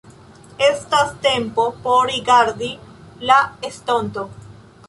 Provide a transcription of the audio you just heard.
Estas tempo por rigardi al estonto.